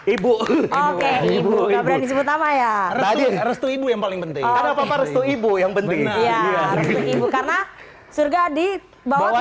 ibu ibuoke ibu ibu yang paling penting ibu ibu yang penting ibu karena surga di bawa